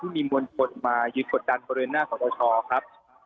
ที่มีมวลกดมายืดกดดันบริเวณหน้าของโรชน์ครับ